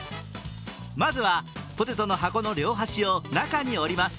まずはポテトの箱の両端を中に折ります。